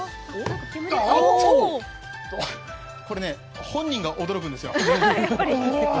これね、本人が驚くんですよ。